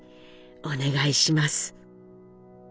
お願いします」。